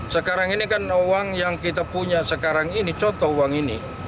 sekarang ini kan uang yang kita punya sekarang ini contoh uang ini